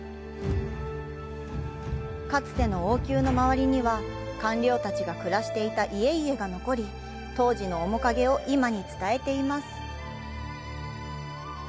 かつての王宮の周りには官僚たちが暮らしていた家々が残り、当時の面影を今に伝えています。